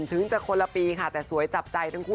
ถึงจะคนละปีค่ะแต่สวยจับใจทั้งคู่